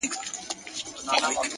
د عمل ژمنتیا نتیجه تضمینوي.